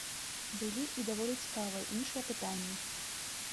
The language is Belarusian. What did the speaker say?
Былі і даволі цікавыя іншыя пытанні.